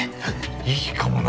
いいかもな！